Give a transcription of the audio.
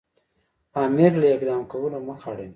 امیر له اقدام کولو مخ اړوي.